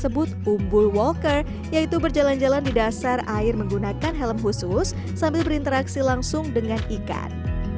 sebut umbul walker yaitu berjalan jalan di dasar air menggunakan helm khusus sambil berinteraksi langsung dengan ikan